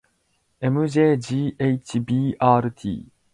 ｍｊｇｈｂｒｔ